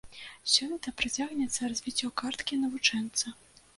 Сёлета працягнецца развіццё карткі навучэнца.